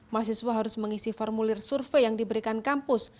mahasiswa harus mengisi formulir survei yang diberikan kampus